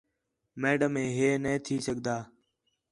میڈم ہے، ہے نے تھی سڳدا